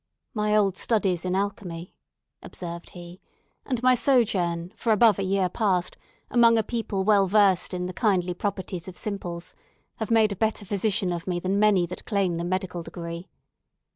"My old studies in alchemy," observed he, "and my sojourn, for above a year past, among a people well versed in the kindly properties of simples, have made a better physician of me than many that claim the medical degree.